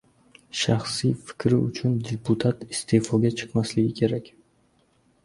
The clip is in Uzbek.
Shaxsiy fikri uchun deputat iste’foga chiqmasligi kerak